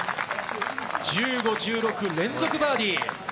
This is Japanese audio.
１５、１６連続バーディー。